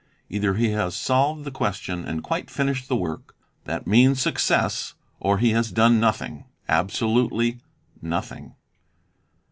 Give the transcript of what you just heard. |' Hither he has solved the question and quite finished the work; that — means success: or he has done nothing, absolutely nothing.